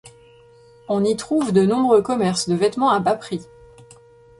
On y trouve de nombreux commerces de vêtements à bas prix.